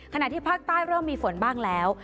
ที่ภาคใต้เริ่มมีฝนบ้างแล้ว